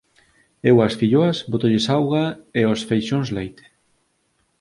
Eu ás filloas bótolles auga e aos freixós, leite